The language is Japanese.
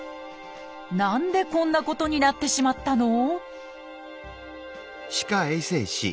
何でこんなことになってしまったの？